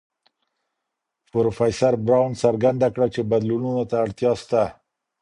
پروفيسر براون څرګنده کړه چی بدلونونو ته اړتيا سته.